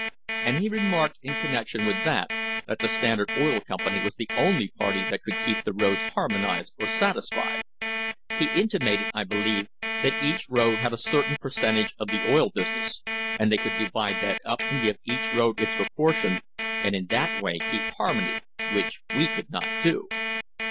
And he remarked in connection with that, that the Standard Oil Company was the only party that could keep the roads harmonised or satisfied. He intimated, I believe, that each road had a certain percentage of the oil business, and they could divide that up and give each road its proportion, and in that way keep harmony, which we could not do.